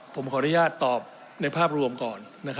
ผมขออนุญาตตอบในภาพรวมก่อน